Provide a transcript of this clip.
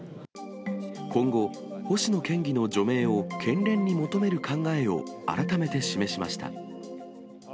今後、星野県議の除名を県連に求める考えを改めて示しました。